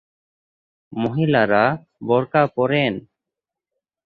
মহিলারা বোরকা পরেন।